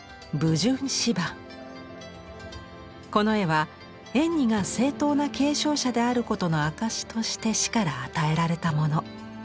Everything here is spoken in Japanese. この絵は円爾が正当な継承者であることの証しとして師から与えられたもの。